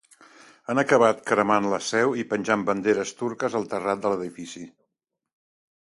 Han acabat cremant la seu i penjant banderes turques al terrat de l’edifici.